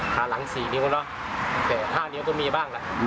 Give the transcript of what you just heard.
ขาหลัง๔นิ้วเนอะแต่๕นิ้วก็มีบ้างละ